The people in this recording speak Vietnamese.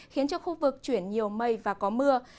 khiến cho khu vực chuyển nhiều mây và có mưa